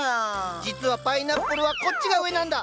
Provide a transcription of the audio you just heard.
実はパイナップルはこっちが上なんだ。